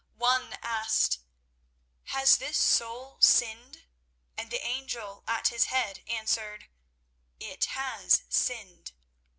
One asked: "Has this soul sinned?" And the angel at his head answered: "It has sinned."